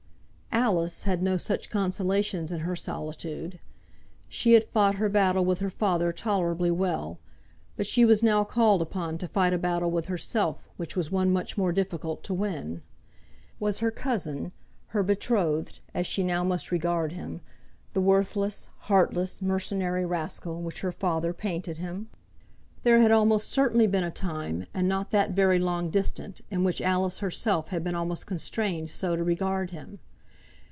Alice had no such consolations in her solitude. She had fought her battle with her father tolerably well, but she was now called upon to fight a battle with herself, which was one much more difficult to win. Was her cousin, her betrothed as she now must regard him, the worthless, heartless, mercenary rascal which her father painted him? There had certainly been a time, and that not very long distant, in which Alice herself had been almost constrained so to regard him.